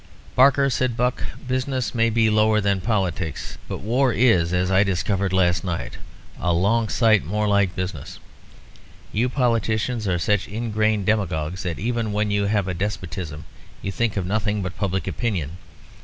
"Barker," said Buck, "business may be lower than politics, but war is, as I discovered last night, a long sight more like business. You politicians are such ingrained demagogues that even when you have a despotism you think of nothing but public opinion.